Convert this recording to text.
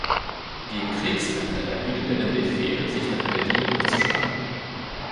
Gegen Kriegsende erhielt er den Befehl, sich nach Berlin durchzuschlagen.